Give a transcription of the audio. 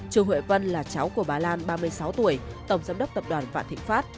chù huệ vân là cháu của bà lan ba mươi sáu tuổi tổng giám đốc tập đoàn vạn thịnh pháp